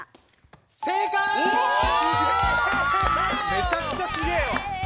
めちゃくちゃすげえわ。